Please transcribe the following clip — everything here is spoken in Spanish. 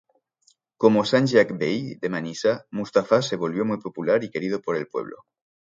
Como "sanjak-bey" de Manisa, Mustafá se volvió muy popular y querido por el pueblo.